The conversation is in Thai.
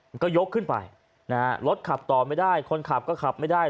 มันก็ยกขึ้นไปนะฮะรถขับต่อไม่ได้คนขับก็ขับไม่ได้